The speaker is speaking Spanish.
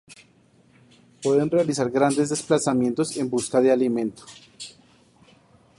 Pueden realizar grandes desplazamientos en busca de alimento.